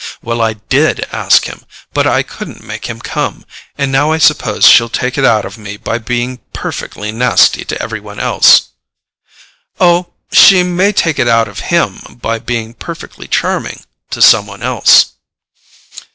Well, I DID ask him—but I couldn't make him come; and now I suppose she'll take it out of me by being perfectly nasty to every one else." "Oh, she may take it out of HIM by being perfectly charming—to some one else."